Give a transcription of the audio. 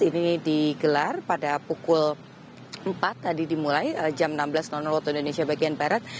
ini digelar pada pukul empat tadi dimulai jam enam belas waktu indonesia bagian barat